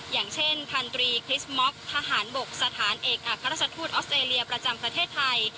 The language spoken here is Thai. อย่างเช่นพันธรีคริสม็อกทหารบกสถานเอกอัครราชทูตออสเตรเลียประจำประเทศไทย